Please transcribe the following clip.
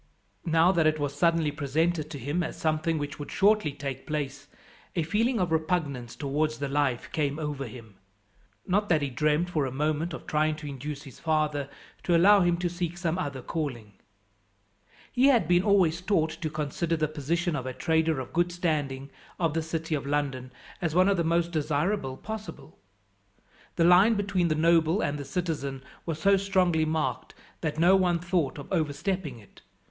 Now that it was suddenly presented to him as something which would shortly take place, a feeling of repugnance towards the life came over him. Not that he dreamt for a moment of trying to induce his father to allow him to seek some other calling. He had been always taught to consider the position of a trader of good standing, of the city of London, as one of the most desirable possible. The line between the noble and the citizen was so strongly marked that no one thought of overstepping it.